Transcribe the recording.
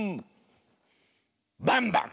「バンバン」。